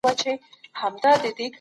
کورنۍ ستونزې هم فشار رامنځته کوي.